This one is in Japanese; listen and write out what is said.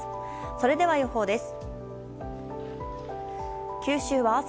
それでは予報です。